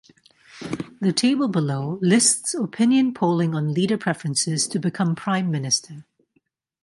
The table below lists opinion polling on leader preferences to become Prime Minister.